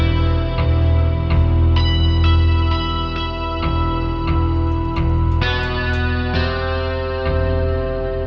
untuk mencapai kemampuan